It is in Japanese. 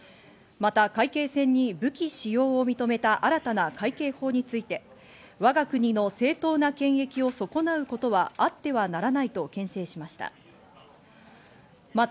また海警船に武器使用を認めた新たな海警法について、我が国の正当な権益を損なうことはあってはならないとけん制しました。